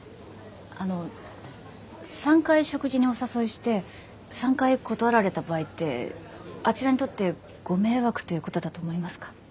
あの３回食事にお誘いして３回断られた場合ってあちらにとってご迷惑ということだと思いますか？